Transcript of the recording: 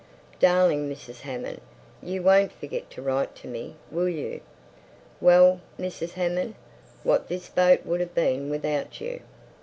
"Darling Mrs. Hammond! You won't forget to write to me, will you?" "Well, Mrs. Hammond, what this boat would have been without you!"